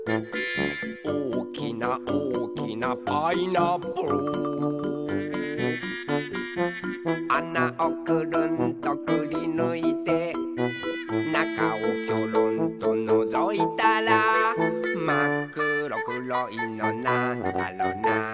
「おおきなおおきなパイナップル」「あなをくるんとくりぬいて」「なかをきょろんとのぞいたら」「まっくろくろいのなんだろな」